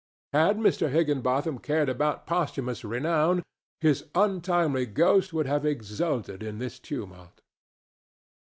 Had Mr. Higginbotham cared about posthumous renown, his untimely ghost would have exulted in this tumult.